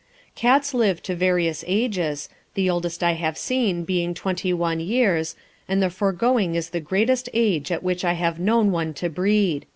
Cats live to various ages, the oldest I have seen being twenty one years, and the foregoing is the greatest age at which I have known one to breed.